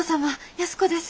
安子です。